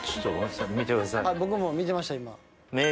僕も見てました今。